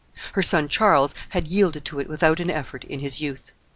Her son Charles had yielded to it without an effort in his youth.